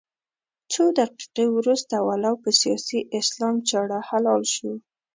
څو دقيقې وروسته ولو په سیاسي اسلام چاړه حلال شو.